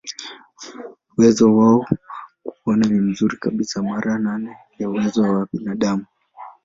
Uwezo wao wa kuona ni mzuri kabisa, mara nane ya uwezo wa binadamu.